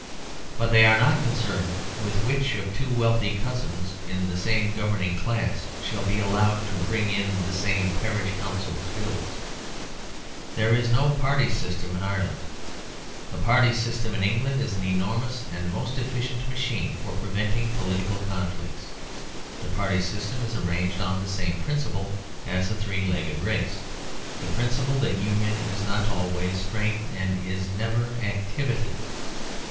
But they are not concerned with which of two wealthy cousins in the same governing class shall be allowed to bring in the same Parish Councils Bill; there is no party system in Ireland. The party system in England is an enormous and most efficient machine for preventing political conflicts. The party system is arranged on the same principle as a three legged race: the principle that union is not always strength and is never activity.